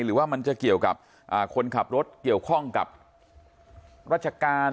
หรือว่ามันจะเกี่ยวกับคนขับรถเกี่ยวข้องกับราชการ